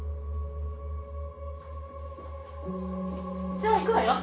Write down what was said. じゃあ行くわよ。